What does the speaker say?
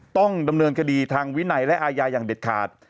ต้องดำเนินคดีทางวินัยและอาญาอย่างเด็ดขาด